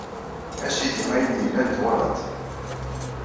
A Sidi, ayen yellan twalaḍ-t.